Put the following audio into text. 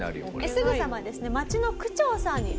すぐさまですね。